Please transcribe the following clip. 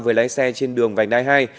với lái xe trên đường vành đai hai